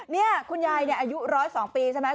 นี่คุณยายอายุ๑๐๒ปีใช่ไหม